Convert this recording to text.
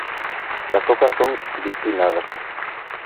Las hojas son bipinnadas.